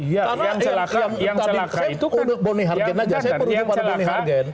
karena yang tadi saya perutuh pada bonihargen